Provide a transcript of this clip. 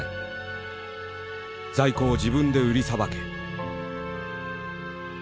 「在庫を自分で売りさばけ」。